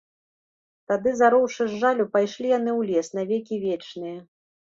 Тагды, зароўшы з жалю, пайшлі яны ў лес на векі вечныя.